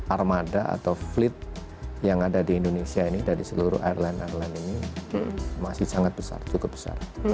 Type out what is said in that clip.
armada atau fleet yang ada di indonesia ini dari seluruh airline airline ini masih sangat besar cukup besar